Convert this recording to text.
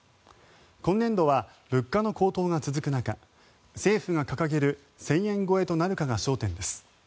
今年度は物価の高騰が続く中政府が掲げる１０００円超えとなるかが焦点です。